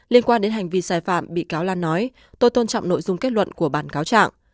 liên quan đến hành vi sai phạm bị cáo lan nói tôi tôn trọng nội dung kết luận của bản cáo trạng